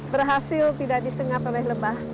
berhasil tidak disengat oleh lebah